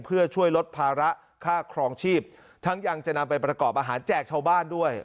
เพื่อช่วยลดภาระค่าครองชีพทั้งยังจะนำไปประกอบอาหารแจกชาวบ้านด้วย